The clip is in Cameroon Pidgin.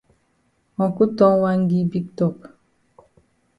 Uncle Tom wan gi big tok.